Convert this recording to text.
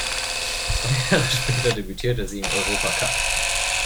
Zwei Jahre später debütierte sie im Europacup.